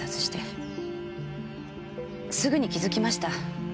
すぐに気付きました。